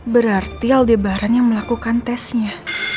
berarti aldebaran yang melakukan tesnya